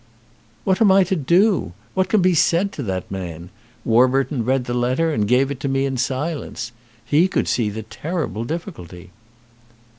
"What am I to do? What can be said to the man? Warburton read the letter, and gave it me in silence. He could see the terrible difficulty."